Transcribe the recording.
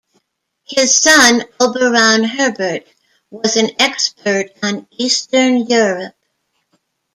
His son Auberon Herbert was an expert on Eastern Europe.